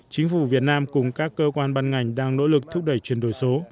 chính phủ việt nam cùng các cơ quan ban ngành đang nỗ lực thúc đẩy chuyển đổi số